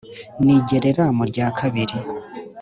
nigerera mu rya kabari